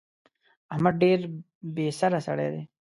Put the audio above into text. احمد ډېر بې سره سړی دی.